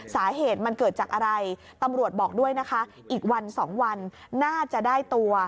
สาเหตุมันเกิดจากอะไรตำรวจบอกด้วยนะคะอีกวันสองวันน่าจะได้ตัว